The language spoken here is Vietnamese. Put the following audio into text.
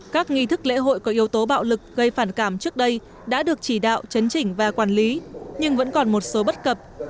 các nghi thức lễ hội có yếu tố bạo lực gây phản cảm trước đây đã được chỉ đạo chấn chỉnh và quản lý nhưng vẫn còn một số bất cập